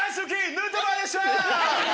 ヌートバーでした！